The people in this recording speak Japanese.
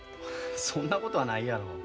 そんなことはないやろ。